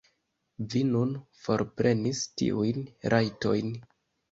Vi nun forprenis tiujn rajtojn.